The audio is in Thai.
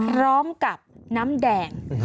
พร้อมกับน้ำแดง